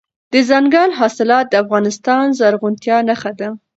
دځنګل حاصلات د افغانستان د زرغونتیا نښه ده.